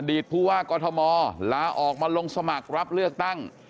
ผู้ว่ากอทมลาออกมาลงสมัครรับเลือกตั้ง